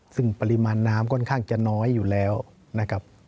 ซึ่งปริมาณน้ำค่อนข้างจะน้อยอยู่แล้วนะครับ